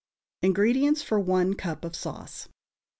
INGREDIENTS FOR ONE CUP OF SAUCE.